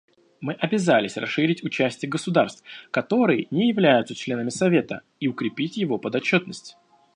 Мы обязались расширить участие государств, которые не являются членами Совета, и укрепить его подотчетность.